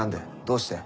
どうして？